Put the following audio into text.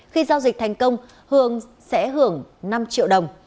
khi giao dịch thành công hường sẽ hưởng năm triệu đồng